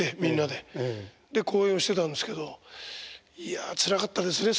で公演をしてたんですけどいやつらかったですね